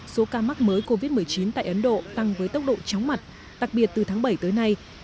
số ca mắc mới covid một mươi chín tại ấn độ tăng với tốc độ chóng mặt đặc biệt từ tháng bảy tới nay